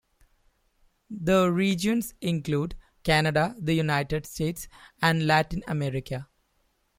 The regions include: Canada, the United States, and Latin America.